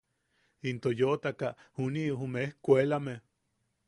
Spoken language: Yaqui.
Into yootaka juni’i jume ejkuelame.